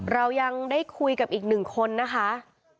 เรายังได้คุยกับอีกหนึ่งคนนะคะ